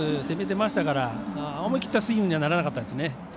攻めていましたから思い切ったスイングにはならなかったですね。